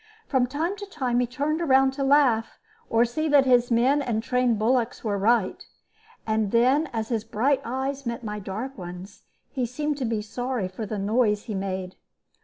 From time to time he turned round to laugh, or see that his men and trained bullocks were right; and then, as his bright eyes met my dark ones, he seemed to be sorry for the noise he made.